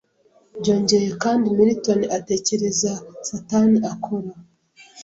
Byongeye kandi Milton atekereza Satani akora